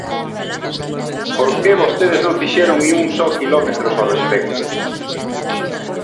¿Por que vostedes non fixeron nin un só quilómetros ao respecto?